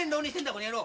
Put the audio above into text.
この野郎。